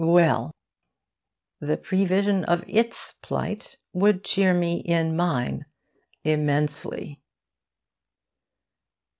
Well, the prevision of its plight would cheer me in mine immensely.